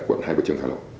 quận hai bà trường hà lộ